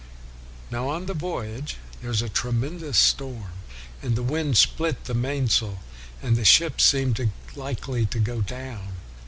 Now, on the voyage, there was a tremendous storm, and the wind split the mainsail, and the ship seemed likely to go down.